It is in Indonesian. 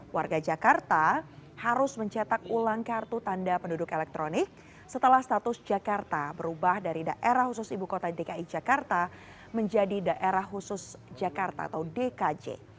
warga jakarta harus mencetak ulang kartu tanda penduduk elektronik setelah status jakarta berubah dari daerah khusus ibu kota dki jakarta menjadi daerah khusus jakarta atau dkj